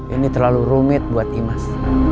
ini terlalu rumit buat imas